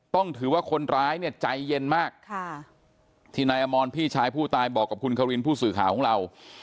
ต้องถือว่าคนร้ายเนี่ยใจเย็นมากที่นายอมรพี่ชายผู้ตายบอกกับคุณควินผู้สื่อข่าวของเรา